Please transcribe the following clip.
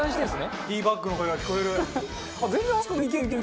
ティーバッグの声が聞こえる。